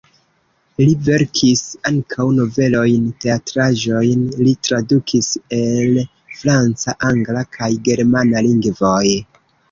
Li verkis ankaŭ novelojn, teatraĵojn, li tradukis el franca, angla kaj germana lingvoj.